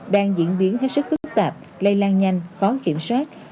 đang diễn biến hết sức phức tạp lây lan nhanh khó kiểm soát